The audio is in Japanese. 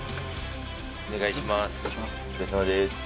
お願いします。